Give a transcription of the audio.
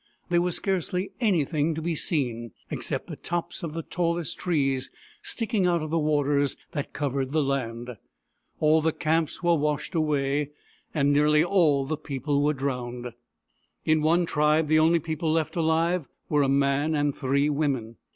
There was scarcely anything to be seen except the tops of the tallest trees sticking out of the waters that covered the land. All the camps were washed away, and nearly all the people were drowned. In one tribe, the only people left alive were a man and three women.